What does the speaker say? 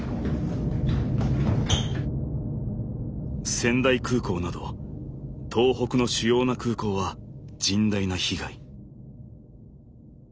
仙台空港など東北の主要な空港は甚大な被害。